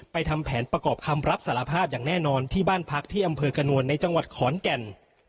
ทำแผนประกอบคำรับสารภาพอย่างแน่นอนที่บ้านพักที่อำเภอกระนวลในจังหวัดขอนแก่น